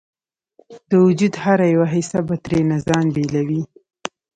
د وجود هره یوه حصه به ترېنه ځان بیلوي